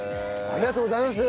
ありがとうございます！